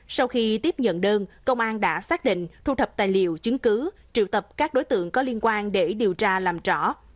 sau khi tiếp nhận đơn công an đã xác định thu thập tài liệu chứng cứ triệu tập các đối tượng có liên quan để điều tra làm rõ